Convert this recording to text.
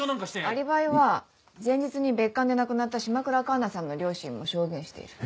アリバイは前日に別館で亡くなった島倉栞奈さんの両親も証言している。